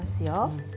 うん。